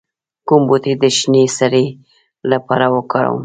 کوم بوټي د شینې سرې لپاره وکاروم؟